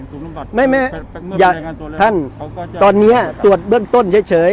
คือส่งเขาสูงอำบัดครับท่านตอนเนี้ยตรวจเบื้องต้นเฉยเฉย